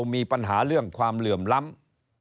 มีปัญหาเรื่องความเหลื่อมล้ำ